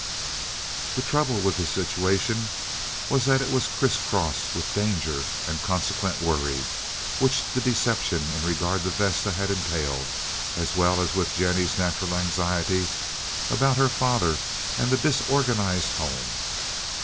The trouble with this situation was that it was criss crossed with the danger and consequent worry which the deception in regard to Vesta had entailed, as well as with Jennie's natural anxiety about her father and the disorganized home.